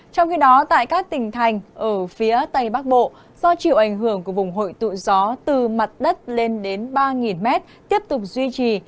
trong khi đó tại các tỉnh thành ở phía tây bắc bộ do chịu ảnh hưởng của vùng hội tụ gió từ mặt đất lên đến ba m tiếp tục duy trì